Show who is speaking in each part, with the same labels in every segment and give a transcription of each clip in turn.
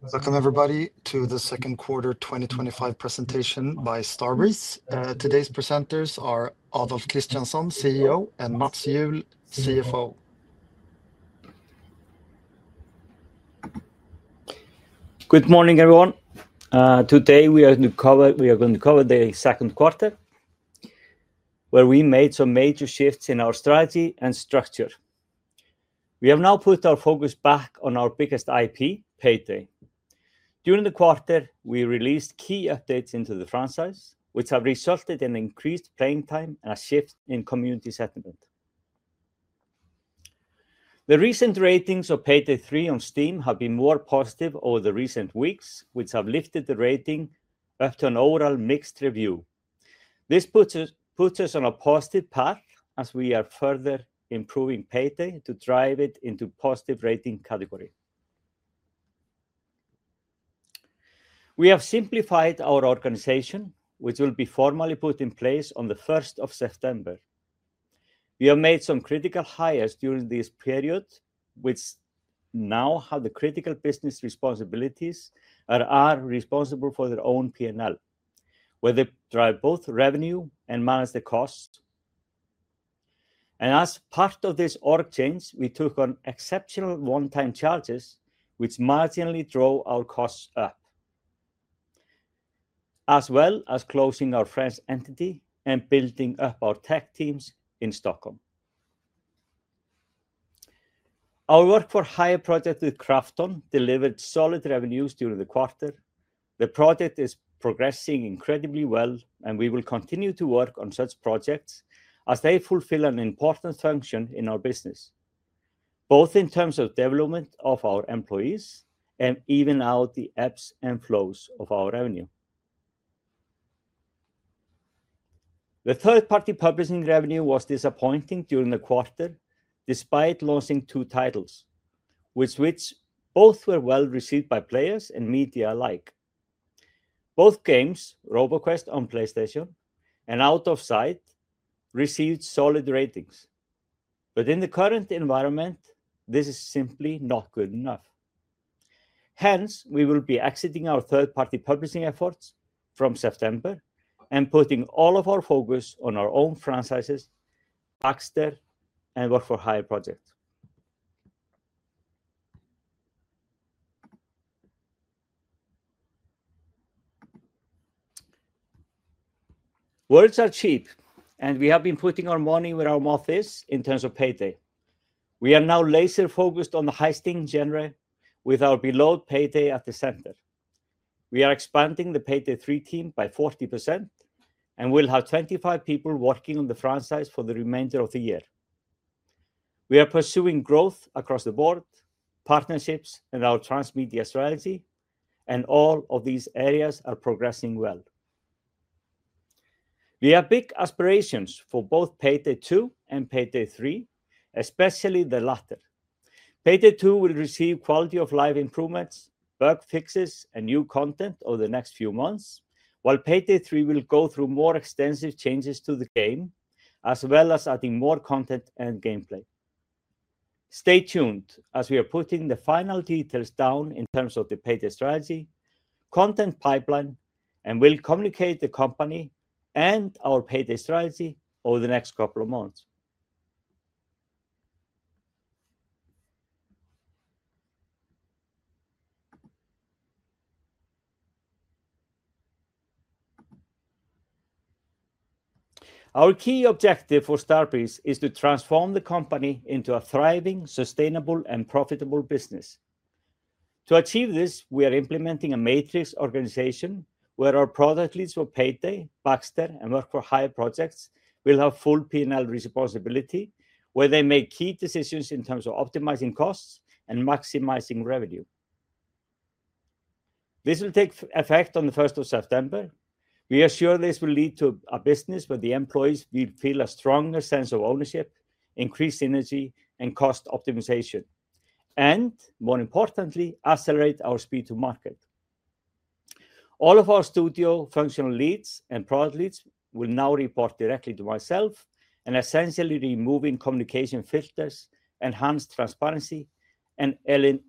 Speaker 1: Welcome everybody to the second quarter 2025 presentation by Starbreeze. Today's presenters are Adolf Kristjansson, CEO, and Mats Juhl, CFO.
Speaker 2: Good morning everyone. Today we are going to cover the second quarter, where we made some major shifts in our strategy and structure. We have now put our focus back on our biggest IP, PAYDAY. During the quarter, we released key updates into the franchise, which have resulted in increased playing time and a shift in community sentiment. The recent ratings of PAYDAY 3 on Steam have been more positive over the recent weeks, which have lifted the rating after an overall mixed review. This puts us on a positive path as we are further improving PAYDAY to drive it into a positive rating category. We have simplified our organization, which will be formally put in place on the 1st of September. We have made some critical hires during this period, which now have the critical business responsibilities and are responsible for their own P&L, where they drive both revenue and manage the cost. As part of this org change, we took on exceptional one-time charges, which marginally drove our costs up, as well as closing our France entity and building up our tech teams in Stockholm. Our work-for-hire project with KRAFTON delivered solid revenues during the quarter. The project is progressing incredibly well, and we will continue to work on such projects as they fulfill an important function in our business, both in terms of development of our employees and even out the ebbs and flows of our revenue. The third-party publishing revenue was disappointing during the quarter, despite launching two titles, which both were well received by players and media alike. Both games, Roboquest on PlayStation and Out of Sight, received solid ratings. In the current environment, this is simply not good enough. Hence, we will be exiting our third-party publishing efforts from September and putting all of our focus on our own franchises, Baxter, and work-for-hire project. Words are cheap, and we have been putting our money where our mouth is in terms of PAYDAY. We are now laser-focused on the high-staking genre, with our beloved PAYDAY at the center. We are expanding the PAYDAY 3 team by 40%, and we'll have 25 people working on the franchise for the remainder of the year. We are pursuing growth across the board, partnerships, and our transmedia strategy, and all of these areas are progressing well. We have big aspirations for both PAYDAY 2 and PAYDAY 3, especially the latter. PAYDAY 2 will receive quality-of-life improvements, bug fixes, and new content over the next few months, while PAYDAY 3 will go through more extensive changes to the game, as well as adding more content and gameplay. Stay tuned as we are putting the final details down in terms of the PAYDAY strategy, content pipeline, and we'll communicate the company and our PAYDAY strategy over the next couple of months. Our key objective for Starbreeze is to transform the company into a thriving, sustainable, and profitable business. To achieve this, we are implementing a matrix organizational where our product leads for PAYDAY, Baxter, and work-for-hire projects will have full P&L responsibility, where they make key decisions in terms of optimizing costs and maximizing revenue. This will take effect on the 1st of September. We are sure this will lead to a business where the employees will feel a stronger sense of ownership, increased synergy, and cost optimization, and more importantly, accelerate our speed to market. All of our studio functional leads and product leads will now report directly to myself, and essentially removing communication filters enhances transparency and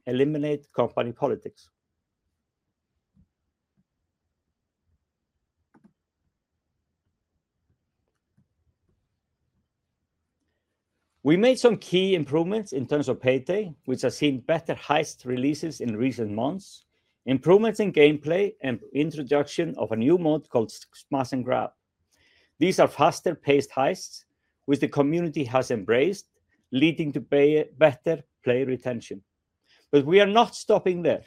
Speaker 2: eliminates company politics. We made some key improvements in terms of PAYDAY, which has seen better heist releases in recent months, improvements in gameplay, and the introduction of a new mode called Smash and Grab. These are faster-paced heists which the community has embraced, leading to better player retention. We are not stopping there.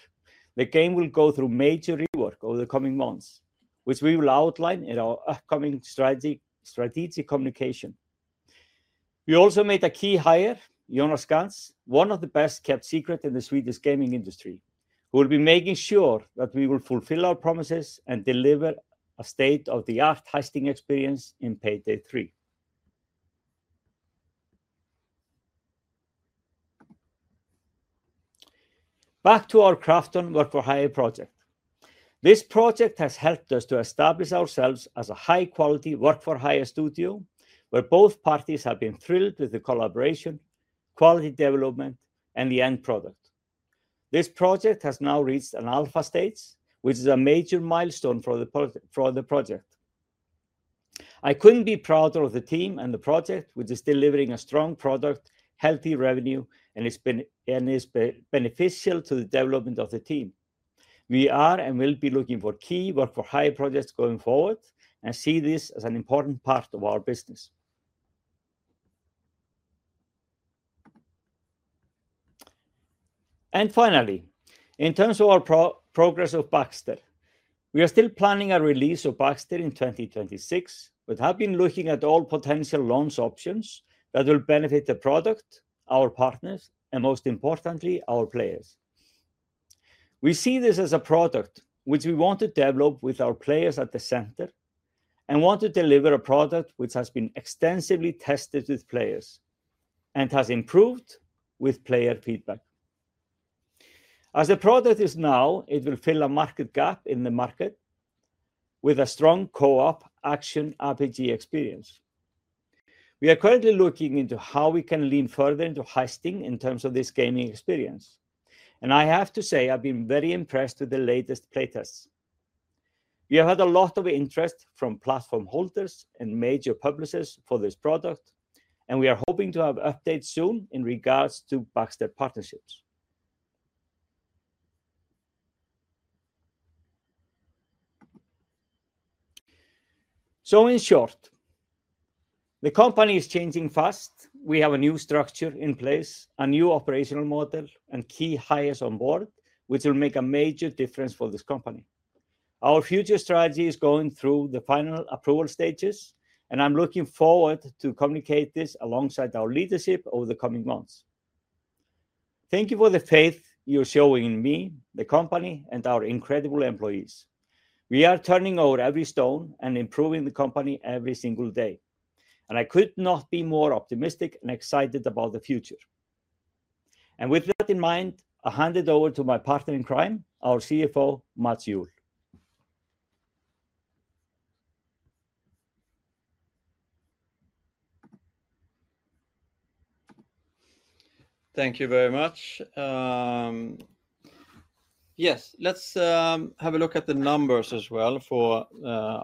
Speaker 2: The game will go through major rework over the coming months, which we will outline in our upcoming strategic communication. We also made a key hire, Jonas Gans, one of the best-kept secrets in the Swedish gaming industry, who will be making sure that we will fulfill our promises and deliver a state-of-the-art heisting experience in PAYDAY 3. Back to our KRAFTON work-for-hire project. This project has helped us to establish ourselves as a high-quality work-for-hire studio, where both parties have been thrilled with the collaboration, quality development, and the end product. This project has now reached an alpha stage, which is a major milestone for the project. I couldn't be prouder of the team and the project, which is delivering a strong product, healthy revenue, and is beneficial to the development of the team. We are and will be looking for key work-for-hire projects going forward and see this as an important part of our business. Finally, in terms of our progress withBaxter, we are still planning a release of Baxter in 2026, but have been looking at all potential launch options that will benefit the product, our partners, and most importantly, our players. We see this as a product which we want to develop with our players at the center and want to deliver a product which has been extensively tested with players and has improved with player feedback. As the product is now, it will fill a gap in the market with a strong co-op action RPG experience. We are currently looking into how we can lean further into heisting in terms of this gaming experience. I have to say, I've been very impressed with the latest playtests. We have had a lot of interest from platform holders and major publishers for this product, and we are hoping to have updates soon in regards to Baxter partnerships. In short, the company is changing fast. We have a new structure in place, a new operational model, and key hires on board, which will make a major difference for this company. Our future strategy is going through the final approval stages, and I'm looking forward to communicating this alongside our leadership over the coming months. Thank you for the faith you're showing in me, the company, and our incredible employees. We are turning over every stone and improving the company every single day, and I could not be more optimistic and excited about the future. With that in mind, I hand it over to my partner in crime, our CFO, Mats Juhl.
Speaker 3: Thank you very much. Yes, let's have a look at the numbers as well for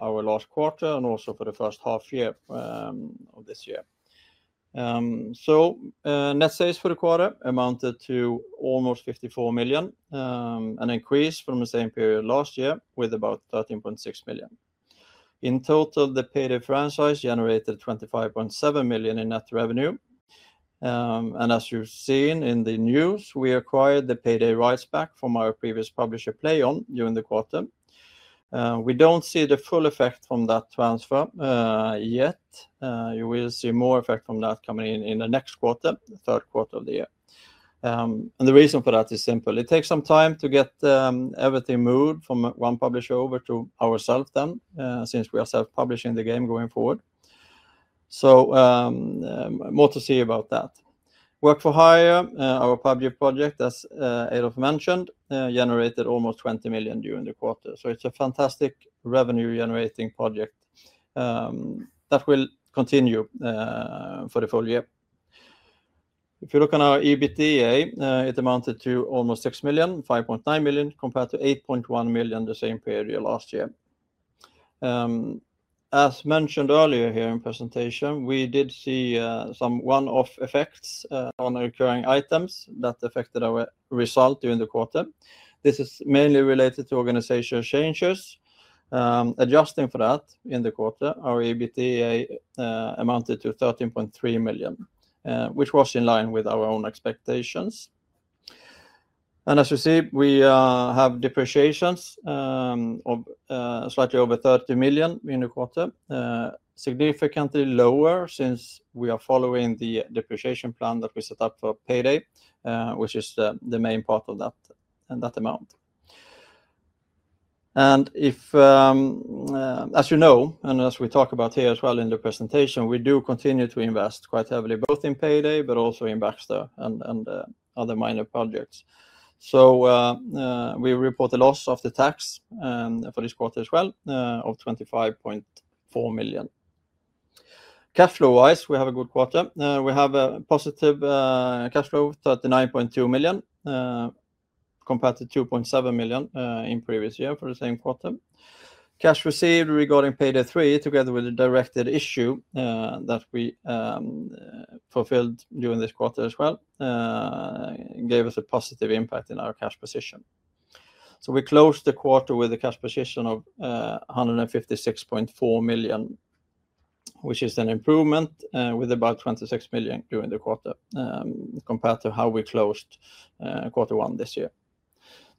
Speaker 3: our last quarter and also for the first half year of this year. Net sales for the quarter amounted to almost 54 million, an increase from the same period last year with about 13.6 million. In total, the PAYDAY franchise generated 25.7 million in net revenue. As you've seen in the news, we acquired the PAYDAY rights back from our previous publisher, PLAION, during the quarter. We don't see the full effect from that transfer yet. You will see more effect from that coming in the next quarter, the third quarter of the year. The reason for that is simple. It takes some time to get everything moved from one publisher over to ourselves, since we are self-publishing the game going forward. More to see about that. Work-for-hire, our PUBG project, as Adolf Kristjansson mentioned, generated almost 20 million during the quarter. It's a fantastic revenue-generating project that will continue for the full year. If you look on our EBITDA, it amounted to almost 6 million, 5.9 million compared to 8.1 million the same period last year. As mentioned earlier here in the presentation, we did see some one-off effects on recurring items that affected our result during the quarter. This is mainly related to organizational changes. Adjusting for that in the quarter, our EBITDA amounted to 13.3 million, which was in line with our own expectations. As you see, we have depreciations of slightly over 30 million in the quarter, significantly lower since we are following the depreciation plan that we set up for PAYDAY, which is the main part of that amount. As you know, and as we talk about here as well in the presentation, we do continue to invest quite heavily both in PAYDAY but also in Baxter and other minor projects. We report the loss after tax for this quarter as well of 25.4 million. Cash flow-wise, we have a good quarter. We have a positive cash flow of 39.2 million compared to 2.7 million in the previous year for the same quarter. Cash received regarding PAYDAY 3, together with a directed issue that we fulfilled during this quarter as well, gave us a positive impact in our cash position. We closed the quarter with a cash position of 156.4 million, which is an improvement with about 26 million during the quarter compared to how we closed quarter one this year.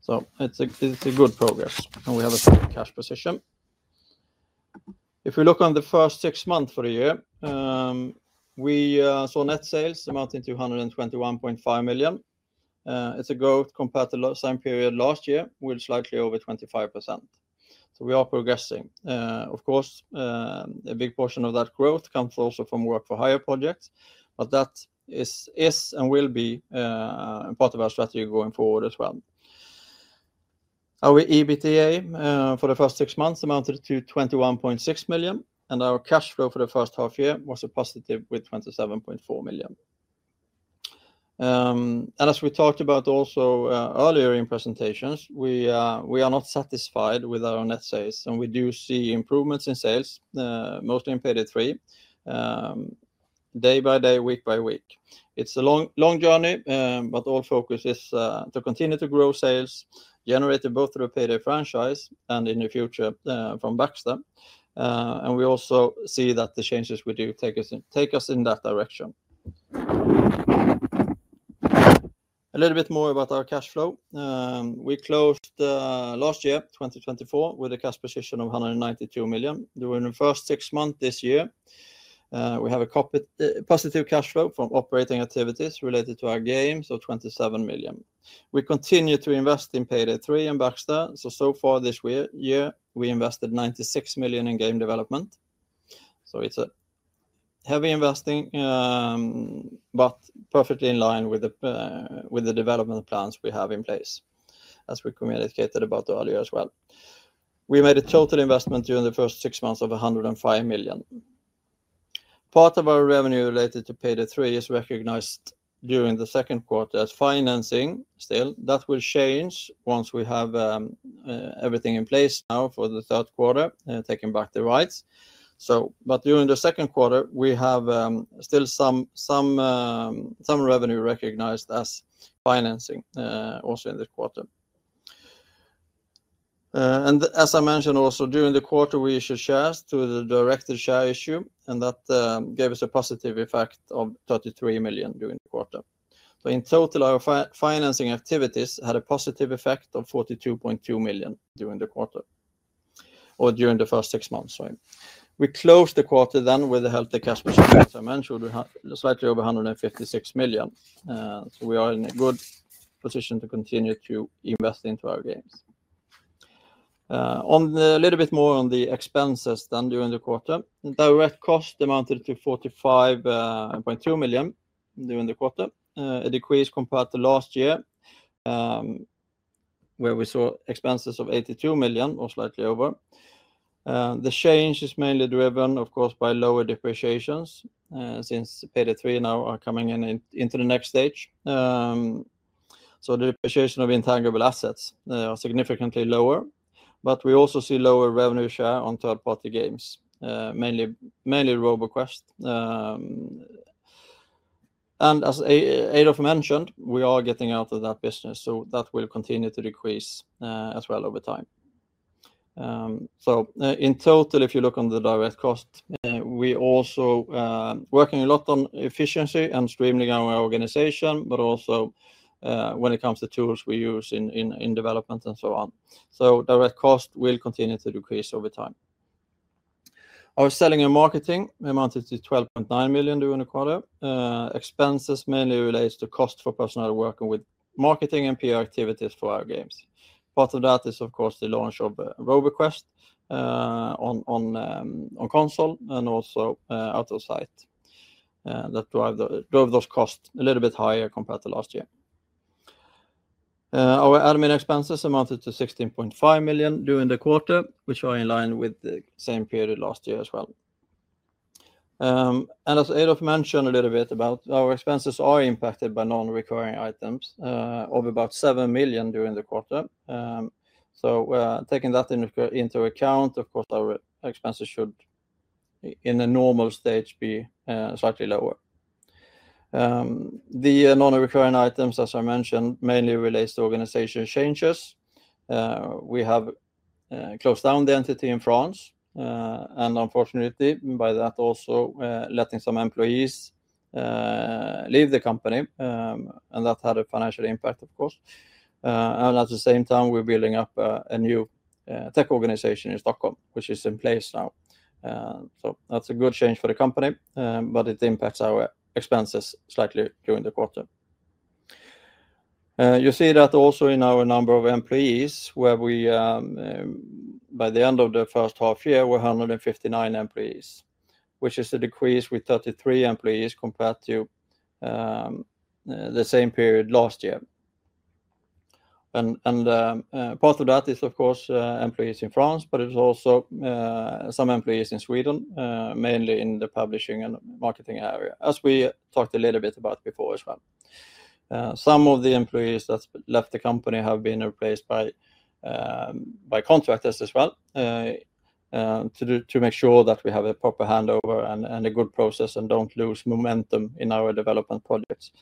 Speaker 3: It's a good progress, and we have a good cash position. If we look on the first six months for the year, we saw net sales amounting to 121.5 million. It's a growth compared to the same period last year with slightly over 25%. We are progressing. Of course, a big portion of that growth comes also from work-for-hire projects, but that is and will be a part of our strategy going forward as well. Our EBITDA for the first six months amounted to 21.6 million, and our cash flow for the first half year was positive with 27.4 million. As we talked about also earlier in presentations, we are not satisfied with our net sales, and we do see improvements in sales, mostly in PAYDAY 3, day by day, week by week. It's a long journey, but our focus is to continue to grow sales, generate both through the PAYDAY franchise and in the future from Baxter. We also see that the changes we do take us in that direction. A little bit more about our cash flow. We closed last year, 2024, with a cash position of 192 million. During the first six months this year, we have a positive cash flow from operating activities related to our games, so 27 million. We continue to invest in PAYDAY 3 and Baxter. So far this year, we invested 96 million in game development. It's a heavy investing, but perfectly in line with the development plans we have in place, as we communicated about earlier as well. We made a total investment during the first six months of 105 million. Part of our revenue related to PAYDAY 3 is recognized during the second quarter as financing still. That will change once we have everything in place now for the third quarter, taking back the rights. During the second quarter, we have still some revenue recognized as financing also in this quarter. As I mentioned also, during the quarter, we issued shares through the directed share issue, and that gave us a positive effect of 33 million during the quarter. In total, our financing activities had a positive effect of 42.2 million during the quarter or during the first six months, sorry. We closed the quarter then with a healthy cash position, as I mentioned, slightly over 156 million. We are in a good position to continue to invest into our games. A little bit more on the expenses then during the quarter. Direct costs amounted to 45.2 million during the quarter, a decrease compared to last year, where we saw expenses of 82 million or slightly over. The change is mainly driven, of course, by lower depreciations since PAYDAY 3 now is coming into the next stage. The depreciation of intangible assets is significantly lower, but we also see lower revenue share on third-party games, mainly Roboquest. As Adolf mentioned, we are getting out of that business, so that will continue to decrease as well over time. In total, if you look on the direct cost, we're also working a lot on efficiency and streamlining our organization, but also when it comes to tools we use in development and so on. Direct costs will continue to decrease over time. Our selling and marketing amounted to 12.9 million during the quarter. Expenses mainly relate to costs for personnel working with marketing and PR activities for our games. Part of that is, of course, the launch of Roboquest on console and also Out of Sight. That drove those costs a little bit higher compared to last year. Our admin expenses amounted to 16.5 million during the quarter, which are in line with the same period last year as well. As Adolf mentioned a little bit about, our expenses are impacted by non-recurring items of about 7 million during the quarter. Taking that into account, of course, our expenses should, in a normal stage, be slightly lower. The non-recurring items, as I mentioned, mainly relate to organizational changes. We have closed down the entity in France, and unfortunately, by that, also letting some employees leave the company, and that had a financial impact, of course. At the same time, we're building up a new tech organization in Stockholm, which is in place now. That's a good change for the company, but it impacts our expenses slightly during the quarter. You see that also in our number of employees, where we, by the end of the first half year, were 159 employees, which is a decrease with 33 employees compared to the same period last year. Part of that is, of course, employees in France, but it's also some employees in Sweden, mainly in the publishing and marketing area, as we talked a little bit about before as well. Some of the employees that left the company have been replaced by contractors as well, to make sure that we have a proper handover and a good process and don't lose momentum in our development projects.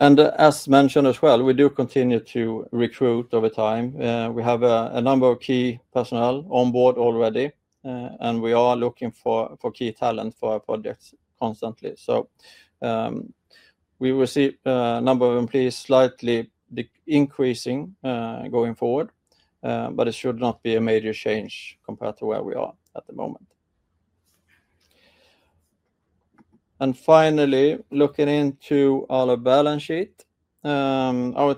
Speaker 3: As mentioned as well, we do continue to recruit over time. We have a number of key personnel on board already, and we are looking for key talent for our projects constantly. We will see a number of employees slightly increasing going forward, but it should not be a major change compared to where we are at the moment. Finally, looking into our balance sheet, our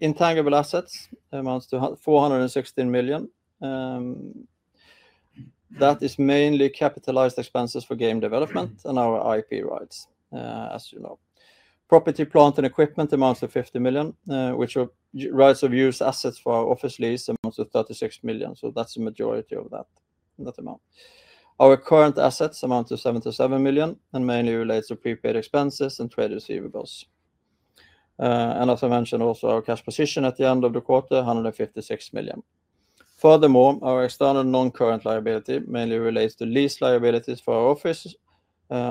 Speaker 3: intangible assets amount to 416 million. That is mainly capitalized expenses for game development and our IP rights, as you know. Property, plant, and equipment amount to 50 million, which are rights of use assets for our office lease amount to 36 million. That's the majority of that amount. Our current assets amount to 77 million and mainly relate to prepaid expenses and trade receivables. As I mentioned also, our cash position at the end of the quarter is 156 million. Furthermore, our external non-current liability mainly relates to lease liabilities for our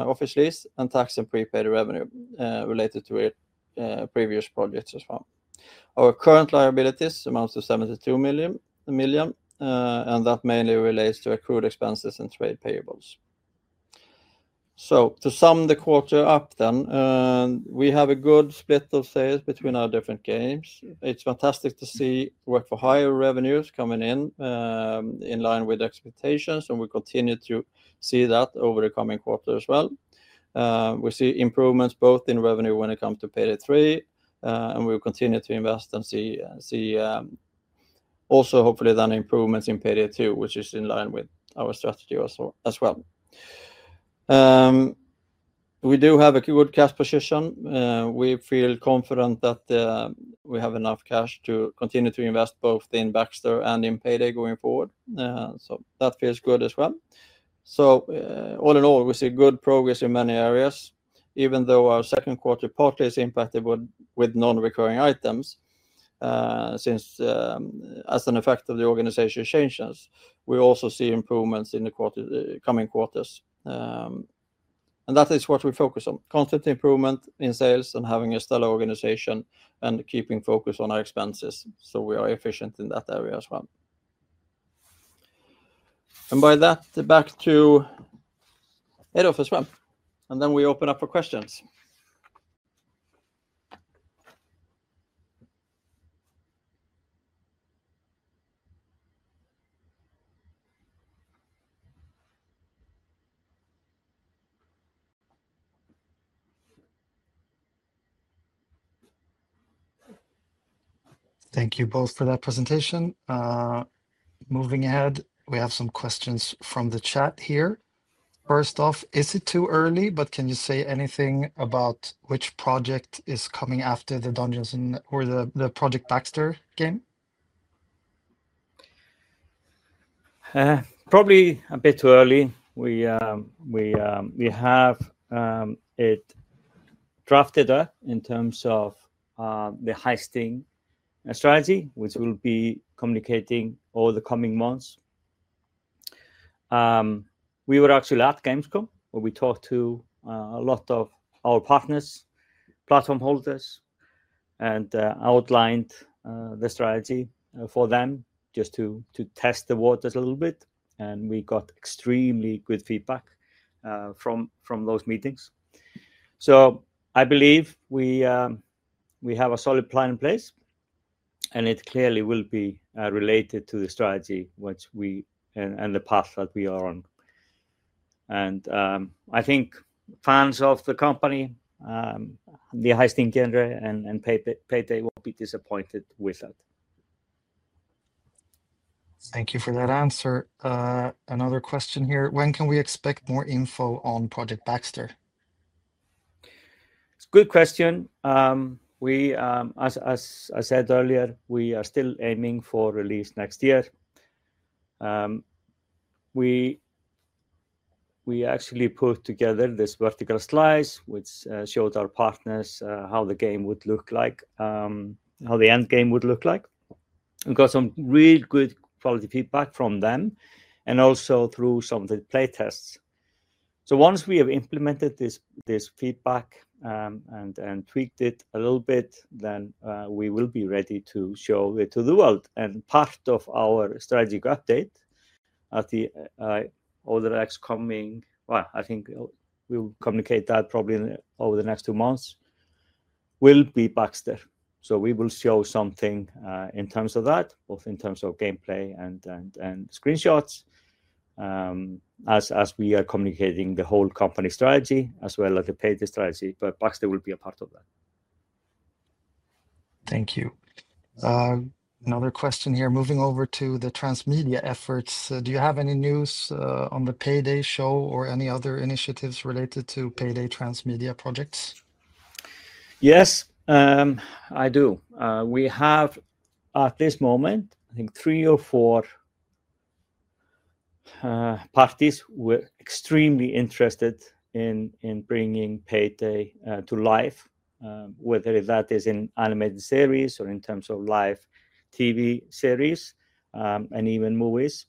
Speaker 3: office lease and tax and prepaid revenue related to previous projects as well. Our current liabilities amount to 72 million, and that mainly relates to accrued expenses and trade payables. To sum the quarter up, we have a good split of sales between our different games. It's fantastic to see work-for-hire revenues coming in in line with expectations, and we continue to see that over the coming quarter as well. We see improvements both in revenue when it comes to PAYDAY 3, and we'll continue to invest and see also hopefully then improvements in PAYDAY 2, which is in line with our strategy as well. We do have a good cash position. We feel confident that we have enough cash to continue to invest both in Baxter and in PAYDAY going forward. That feels good as well. All in all, we see good progress in many areas, even though our second quarter partly is impacted with non-recurring items as an effect of the organization changes. We also see improvements in the coming quarters, and that is what we focus on: constant improvement in sales and having a stellar organization and keeping focus on our expenses so we are efficient in that area as well. By that, back to Adolf as well. Then we open up for questions.
Speaker 1: Thank you both for that presentation. Moving ahead, we have some questions from the chat here. First off, is it too early, but can you say anything about which project is coming after the Dungeons and or the Project Baxter game?
Speaker 2: Probably a bit too early. We have drafted that in terms of the heisting strategy, which we'll be communicating over the coming months. We were actually at Gamescom, where we talked to a lot of our partners, platform holders, and outlined the strategy for them just to test the waters a little bit. We got extremely good feedback from those meetings. I believe we have a solid plan in place, and it clearly will be related to the strategy and the path that we are on. I think fans of the company, the heisting genre, and PAYDAY will not be disappointed with that.
Speaker 1: Thank you for that answer. Another question here. When can we expect more info on Project Baxter?
Speaker 2: It's a good question. As I said earlier, we are still aiming for release next year. We actually put together this vertical slide which showed our partners how the game would look like, how the end game would look like. We got some really good quality feedback from them and also through some of the playtests. Once we have implemented this feedback and tweaked it a little bit, we will be ready to show it to the world. Part of our strategic update at the next coming, I think we will communicate that probably over the next two months, will be Baxter. We will show something in terms of that, both in terms of gameplay and screenshots, as we are communicating the whole company strategy as well as the PAYDAY strategy. But Baxter will be a part of that.
Speaker 1: Thank you. Another question here, moving over to the transmedia efforts. Do you have any news on the PAYDAY show or any other initiatives related to PAYDAY transmedia projects?
Speaker 2: Yes, I do. We have, at this moment, I think three or four parties who are extremely interested in bringing PAYDAY to life, whether that is in animated series or in terms of live TV series and even movies,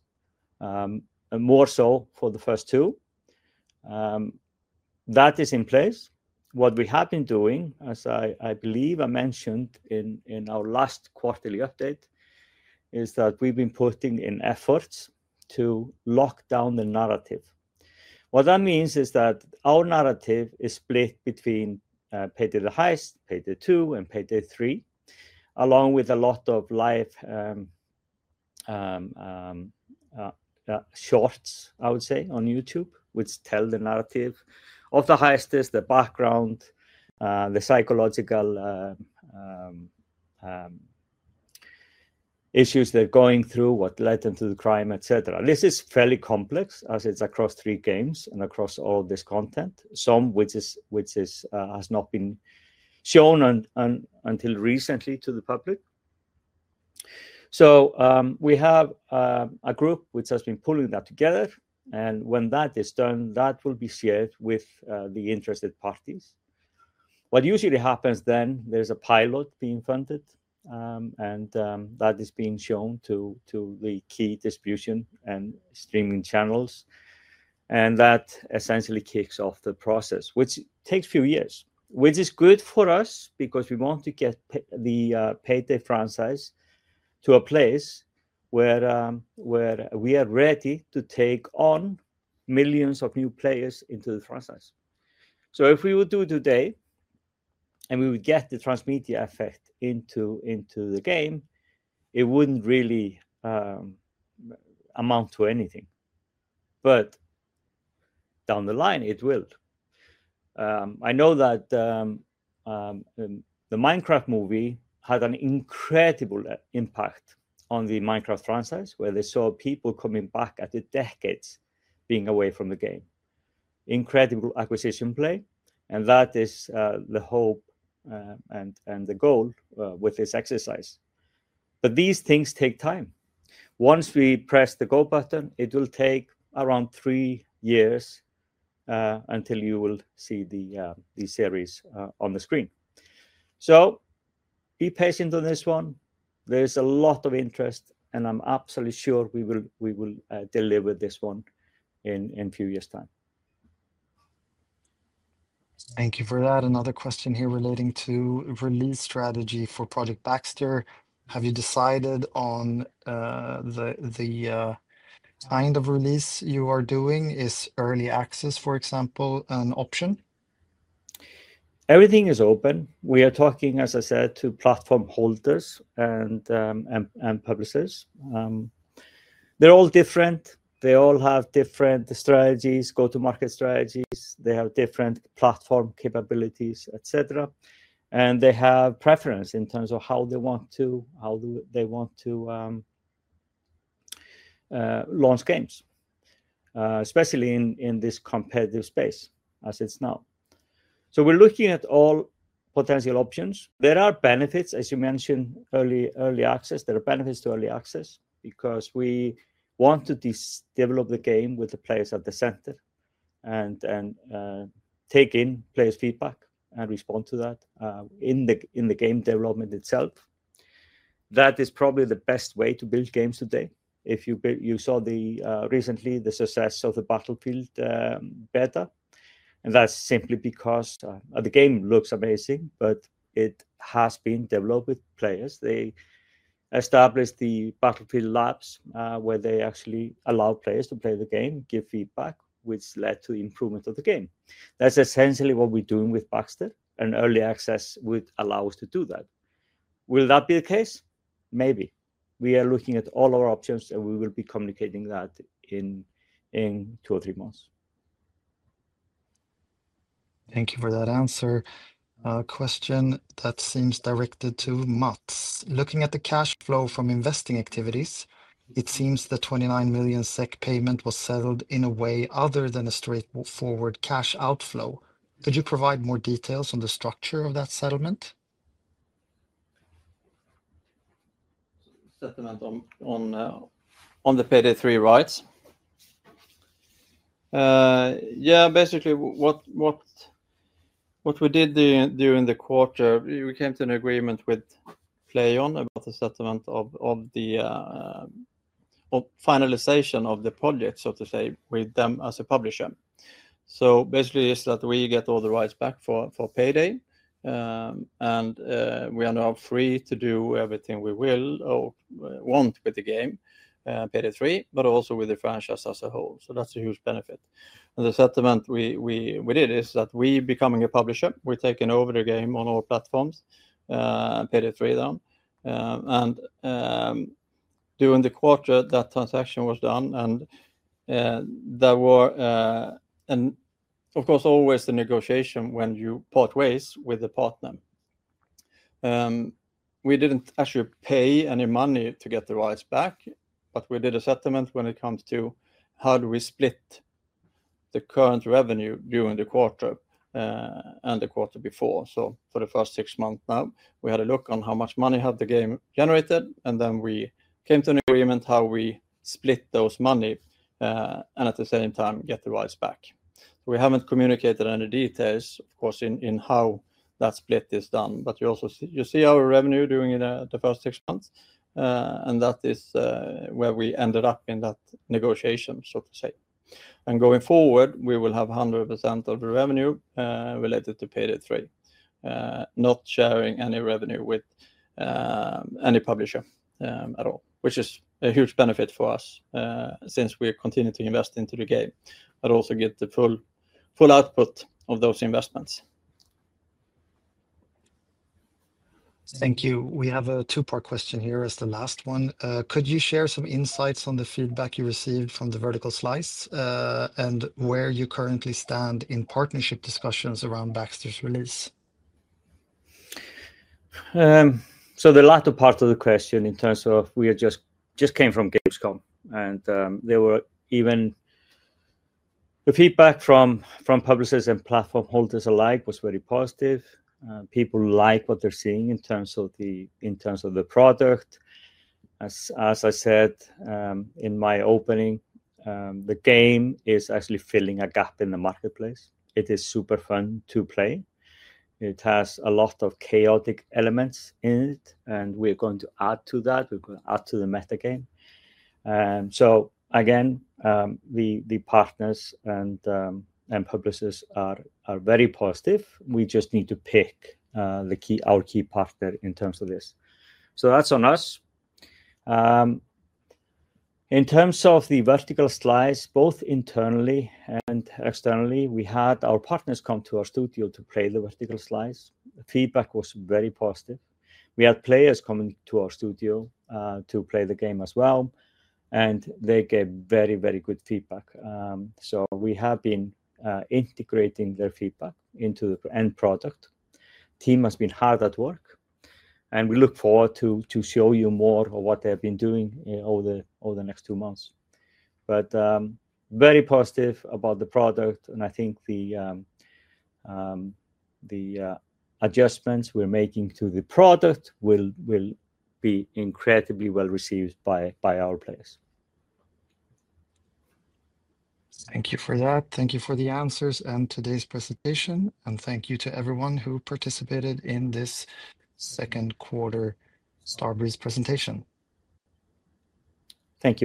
Speaker 2: more so for the first two. That is in place. What we have been doing, as I believe I mentioned in our last quarterly update, is that we've been putting in efforts to lock down the narrative. What that means is that our narrative is split between PAYDAY: The Heist, PAYDAY 2, and PAYDAY 3, along with a lot of live shorts, I would say, on YouTube, which tell the narrative of the heisters, the background, the psychological issues they're going through, what led them to the crime, etc. This is fairly complex as it's across three games and across all this content, some which has not been shown until recently to the public. We have a group which has been pulling that together. When that is done, that will be shared with the interested parties. What usually happens then, there's a pilot being funded, and that is being shown to the key distribution and streaming channels. That essentially kicks off the process, which takes a few years, which is good for us because we want to get the PAYDAY franchise to a place where we are ready to take on millions of new players into the franchise. If we would do it today and we would get the transmedia effect into the game, it wouldn't really amount to anything. Down the line, it will. I know that the Minecraft movie had an incredible impact on the Minecraft franchise, where they saw people coming back after decades being away from the game. Incredible acquisition play. That is the hope and the goal with this exercise. These things take time. Once we press the go button, it will take around three years until you will see the series on the screen. Be patient on this one. There's a lot of interest, and I'm absolutely sure we will deliver this one in a few years' time.
Speaker 1: Thank you for that. Another question here relating to release strategy for Project Baxter. Have you decided on the kind of release you are doing? Is early access, for example, an option?
Speaker 2: Everything is open. We are talking, as I said, to platform holders and publishers. They're all different. They all have different strategies, go-to-market strategies. They have different platform capabilities, etc. They have preference in terms of how they want to launch games, especially in this competitive space as it's now. We are looking at all potential options. There are benefits, as you mentioned, early access. There are benefits to early access because we want to develop the game with the players at the center and take in players' feedback and respond to that in the game development itself. That is probably the best way to build games today. If you saw recently the success of the Battlefield beta, that's simply because the game looks amazing, but it has been developed with players. They established the Battlefield Labs where they actually allow players to play the game, give feedback, which led to improvement of the game. That's essentially what we're doing with Baxter, and early access would allow us to do that. Will that be the case? Maybe. We are looking at all our options, and we will be communicating that in two or three months.
Speaker 1: Thank you for that answer. A question that seems directed to Mats. Looking at the cash flow from investing activities, it seems the 29 million SEK payment was settled in a way other than a straightforward cash outflow. Could you provide more details on the structure of that settlement?
Speaker 3: Settlement on the PAYDAY 3 rights? Yeah, basically, what we did during the quarter, we came to an agreement with PLAION about the settlement of the finalization of the project, so to say, with them as a publisher. Basically, it's that we get all the rights back for PAYDAY, and we are now free to do everything we will or want with the game, PAYDAY 3, but also with the franchise as a whole. That's a huge benefit. The settlement we did is that we, becoming a publisher, we're taking over the game on all platforms, PAYDAY 3 then. During the quarter, that transaction was done. There were, of course, always the negotiation when you part ways with the partner. We didn't actually pay any money to get the rights back, but we did a settlement when it comes to how do we split the current revenue during the quarter and the quarter before. For the first six months now, we had a look on how much money had the game generated, and then we came to an agreement how we split those money and at the same time get the rights back. We haven't communicated any details, of course, in how that split is done, but you also see our revenue during the first six months, and that is where we ended up in that negotiation, so to say. Going forward, we will have 100% of the revenue related to PAYDAY 3, not sharing any revenue with any publisher at all, which is a huge benefit for us since we continue to invest into the game, but also get the full output of those investments.
Speaker 1: Thank you. We have a two-part question here as the last one. Could you share some insights on the feedback you received from the vertical slice, and where you currently stand in partnership discussions around Baxter's release?
Speaker 2: The latter part of the question in terms of we just came from Gamescom, and even the feedback from publishers and platform holders alike was very positive. People like what they're seeing in terms of the product. As I said in my opening, the game is actually filling a gap in the marketplace. It is super fun to play. It has a lot of chaotic elements in it, and we are going to add to that. We are going to add to the metagame. Again, the partners and publishers are very positive. We just need to pick our key partner in terms of this. That is on us. In terms of the vertical slice, both internally and externally, we had our partners come to our studio to play the vertical slice. The feedback was very positive. We had players coming to our studio to play the game as well, and they gave very, very good feedback. We have been integrating their feedback into the end product. The team has been hard at work, and we look forward to showing you more of what they have been doing over the next two months. Very positive about the product, and I think the adjustments we are making to the product will be incredibly well received by our players.
Speaker 1: Thank you for that. Thank you for the answers and today's presentation. Thank you to everyone who participated in this second quarter Starbreeze presentation.
Speaker 2: Thank you.